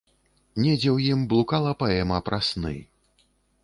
Недзе ў ім блукала паэма пра сны.